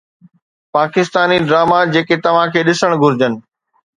Pakistani drama جيڪي توهان کي ڏسڻ گهرجن